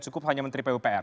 cukup hanya menteri pupr